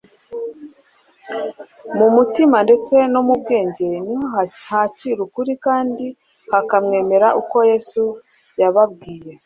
Mu mutima ndetse mu bwenge niho hakira ukuri kandi hakamwemera; uko niko Yesu yababwiye.